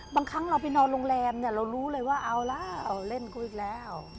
บางครั้งเราไปนอนโรงแรมเนี่ยเรารู้เลยว่าเอาแล้วเล่นกูอีกแล้ว